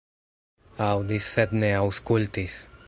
Aŭdis, sed ne aŭskultis.